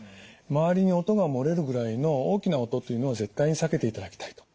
周りに音が漏れるぐらいの大きな音というのを絶対に避けていただきたい。